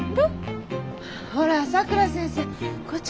ほらさくら先生こっち